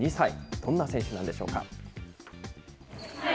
どんな選手なんでしょうか。